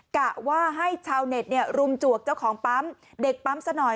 กะว่าให้ชาวเน็ตรุมจวกเจ้าของปั๊มเด็กปั๊มซะหน่อย